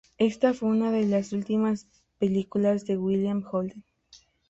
Ésta fue una de las últimas películas de William Holden.